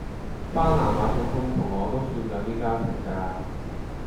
巴拿馬總統同我都算有啲交情㗎